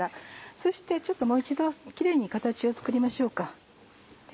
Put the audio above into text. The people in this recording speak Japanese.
そしてちょっともう一度キレイに形を作りましょうか。